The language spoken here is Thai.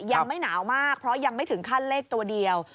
ยังไม่หนาวมากเพราะยังไม่ถึงขั้นเลขตัวเดียว